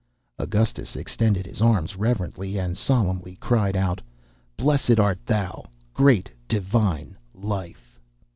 Augustus extended his arms reverently and solemnly cried out: "Blessed art thou, Great Divine Life!"